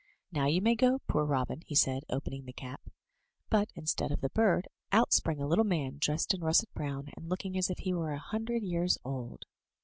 "Now you may go, poor robin!'' he said, opening the cap; but instead of the bird, out sprang a little man dressed in russet brown, and looking as if he were an hundred years old.